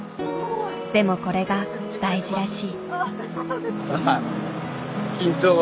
でもこれが大事らしい。